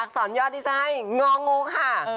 อักษรย่อที่จะให้งองูค่ะ